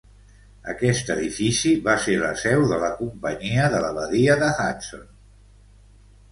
Aquest edifici va ser la seu de la Companyia de la Badia de Hudson.